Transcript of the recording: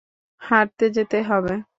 হাটতে যেতে হবে।